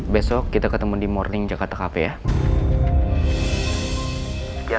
besok kita ketemu di morning jakarta cafe ya